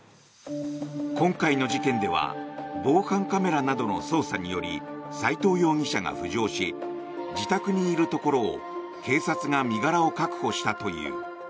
今回の事件では防犯カメラなどの捜査により斎藤容疑者が浮上し自宅にいるところを警察が身柄を確保したという。